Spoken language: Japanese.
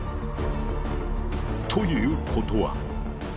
ということは？